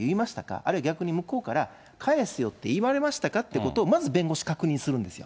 あるいは逆に、向こうから返すよって言われましたか？っていうことをまず弁護士、確認するんですよ。